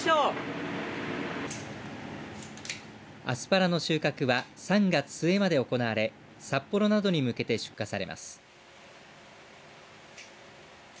アスパラの収穫は３月末まで行われ札幌などに向けて出荷されます。